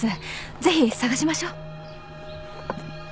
ぜひ捜しましょう。